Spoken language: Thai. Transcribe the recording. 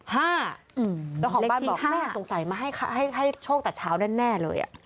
แต่ของบ้านบอกสงสัยมาให้โชคแต่เช้านั่นแน่เลย